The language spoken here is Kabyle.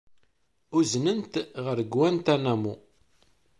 Uznen-t ɣer Guantanamo.